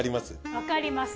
わかります。